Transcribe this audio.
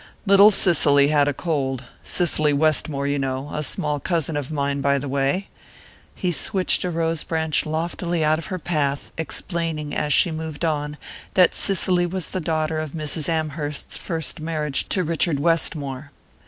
Little Cicely had a cold Cicely Westmore, you know a small cousin of mine, by the way " he switched a rose branch loftily out of her path, explaining, as she moved on, that Cicely was the daughter of Mrs. Amherst's first marriage to Richard Westmore.